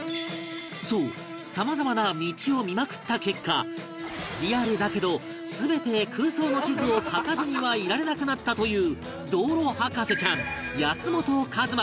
そうさまざまな道を見まくった結果リアルだけど全て空想の地図を描かずにはいられなくなったという